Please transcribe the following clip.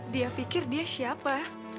dia pikir dia siapa